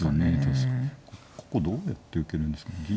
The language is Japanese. ここどうやって受けるんですかね。